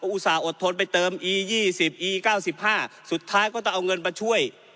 อุตส่าห์อดทนไปเติมอียี่สิบอีเก้าสิบห้าสุดท้ายก็ต้องเอาเงินมาช่วย